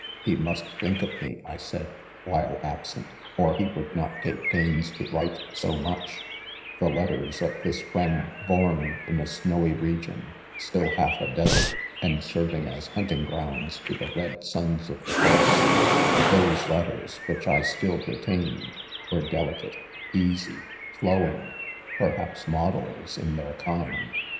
He must think of me, I said, while absent, or he would not take pains to write so much,, £ The letters of this friend, born in a snowy region, still half a desert, and serving^as hunt° ing grounds to the red sons of the forest — those letters, which I still retain, were deli cate, easy, flowing — perhaps models in their kind.